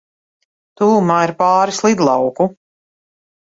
Tuvumā ir pāris lidlauku.